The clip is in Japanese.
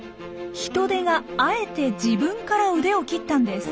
ヒトデがあえて自分から腕を切ったんです。